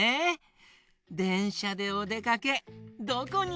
でんしゃでおでかけどこにいこう？